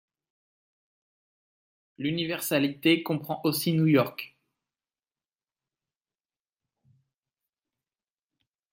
L’universalité comprend aussi New York